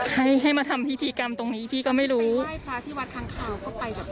ให้ให้มาทำพิธีกรรมตรงนี้พี่ก็ไม่รู้ไม่ใช่ฟ้าที่วัดคังคาว